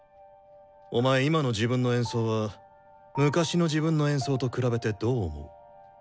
お前今の自分の演奏は昔の自分の演奏と比べてどう思う？